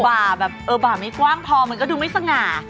บ่าแบบเออบ่าไม่กว้างพอมันก็ดูไม่สง่า